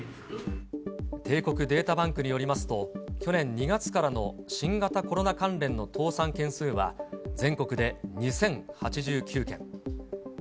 帝国データバンクによりますと、去年２月からの新型コロナ関連の倒産件数は、全国で２０８９件。